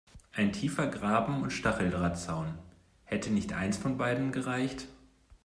Ein tiefer Graben und Stacheldrahtzaun – hätte nicht eines von beidem gereicht?